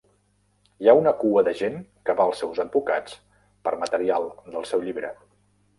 Hi ha una cua de gent que va als seus advocats per material del seu llibre.